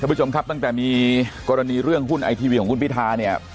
ผู้ชมครับตั้งแต่มีกรณีเรื่องหุ้นไอทีวีของคุณพิธาเนี่ย